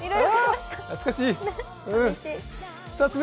懐かしい！